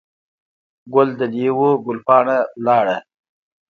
ګل دلې وو، ګل پاڼه ولاړه.